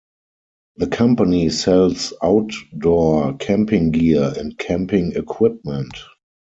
The company sells outdoor camping gear and camping equipment.